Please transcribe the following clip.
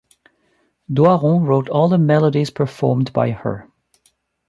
Doiron wrote all the melodies performed by her.